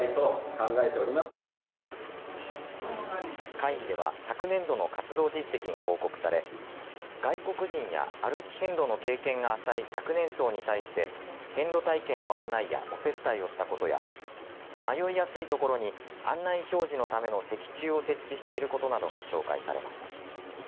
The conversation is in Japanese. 会議では昨年度の活動実績が報告され外国人や歩き遍路の経験が浅い若年層に対して遍路体験の案内やお接待をしたことや迷いやすいところに案内表示のための石柱を設置していることなどが紹介されました。